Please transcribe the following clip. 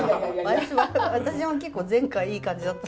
私も結構前回いい感じだった。